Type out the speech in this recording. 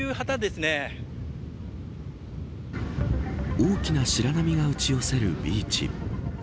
大きな白波が打ち寄せるビーチ。